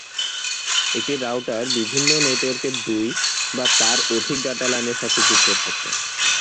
একটি রাউটার বিভিন্ন নেটওয়ার্কের দুই বা তার অধিক ডাটা লাইনের সাথে যুক্ত থাকে।